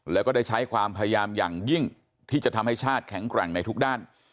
แล้วก็ได้ใช้ความพยายามอย่างยิ่งที่จะทำให้ชาติแข็งแกร่งในทุกด้าน